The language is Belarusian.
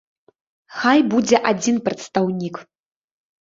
Хай будзе адзін прадстаўнік.